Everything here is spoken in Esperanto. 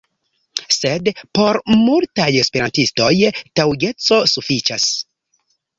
Sed por multaj Esperantistoj taŭgeco sufiĉas.